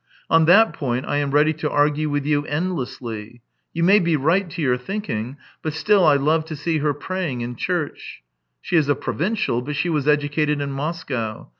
On that point I am ready to argue with you endlessly. You may be right, to your thinking; but, still, I love to see her pray ing in chm ch. She is a provincial, but she was educated in Moscow.